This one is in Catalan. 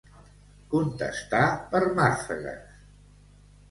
Contestar per màrfegues.